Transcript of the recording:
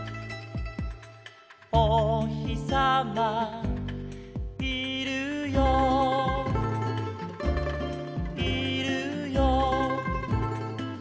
「おひさまいるよいるよ」